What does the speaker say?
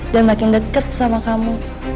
dan makin deket sama kamu